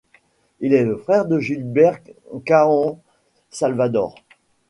Il est le frère de Gilbert Cahen-Salvador.